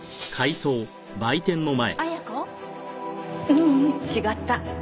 ううん違った。